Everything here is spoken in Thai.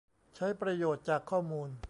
ใช้ประโยชน์จากข้อมูล